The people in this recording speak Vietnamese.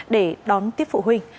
để đón tiếp phụ huynh